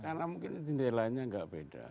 karena mungkin jendelanya enggak beda